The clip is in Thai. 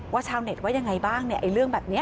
ชาวเน็ตว่ายังไงบ้างเนี่ยไอ้เรื่องแบบนี้